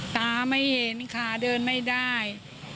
ตาไม่เห็นขาเดินไม่ได้